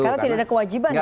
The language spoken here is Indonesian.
karena tidak ada kewajiban ya